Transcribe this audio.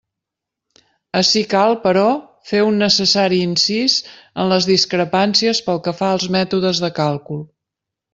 Ací cal, però, fer un necessari incís en les discrepàncies pel que fa als mètodes de càlcul.